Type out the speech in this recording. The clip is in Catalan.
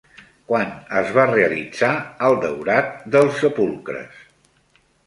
Quan es va realitzar el daurat dels sepulcres?